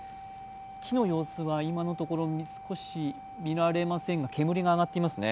火の様子は今のところ見られません、煙が上がっていますね。